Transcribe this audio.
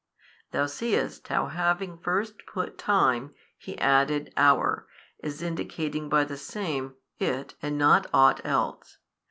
Thou seest how having first put time, he added hour, as indicating by the same, it, and not ought else.